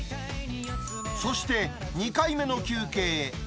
そして２回目の休憩へ。